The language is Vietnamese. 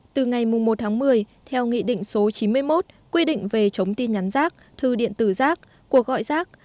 từ ngày một tháng một mươi theo nghị định số chín mươi một quy định về chống tin nhắn rác thư điện tử rác cuộc gọi rác